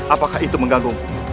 apakah itu mengganggumu